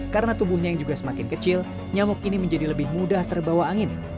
karena tubuhnya juga semakin kecil nyamuk ini menjadi lebih mudah terbawa angin